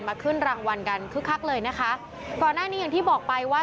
ขึ้นรางวัลกันคึกคักเลยนะคะก่อนหน้านี้อย่างที่บอกไปว่า